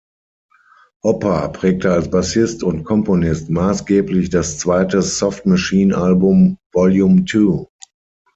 Hopper prägte als Bassist und Komponist maßgeblich das zweite Soft Machine-Album „Volume Two“.